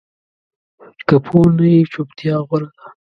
که پوه نه یې، چُپتیا غوره ده